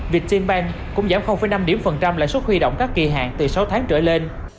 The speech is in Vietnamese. việt tên băng cũng giảm năm điểm phần trăm lại suất huy động các kỳ hạn từ sáu tháng trở lên